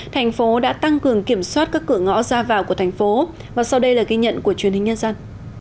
thành phố đã tăng cường kiểm soát các cửa ngõ ra vào của thành phố và sau đây là ghi nhận của truyền hình nhân dân